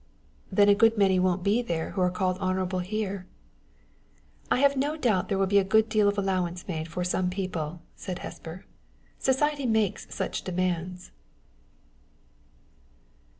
"Then a good many won't be there who are called honorable here." "I have no doubt there will be a good deal of allowance made for some people," said Hesper. "Society makes such demands!"